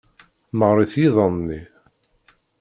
Meɣɣrit yiḍan-nni.